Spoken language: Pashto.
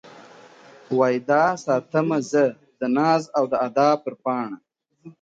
• واى دا ساتمه زه د ناز او د ادا پــــــر پــــــاڼــــــــــــه.